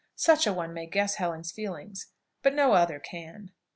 Such a one may guess Helen's feelings; but no other can.